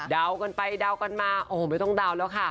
ดาวกันไปมาอ๋อไม่ต้องดาวน์แล้วค่ะ